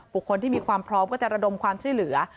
คนที่มีความพร้อมก็จะระดมความช่วยเหลือ